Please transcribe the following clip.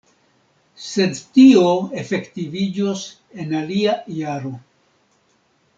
Sed tio efektiviĝos en alia jaro.